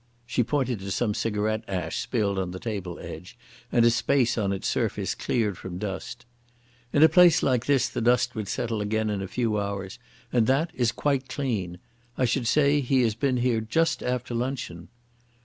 She pointed to some cigarette ash spilled on the table edge, and a space on its surface cleared from dust. "In a place like this the dust would settle again in a few hours, and that is quite clean. I should say he has been here just after luncheon."